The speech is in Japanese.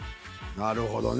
なるほどね。